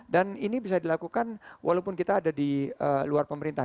dan ini bisa dilakukan walaupun kita ada di luar pemerintah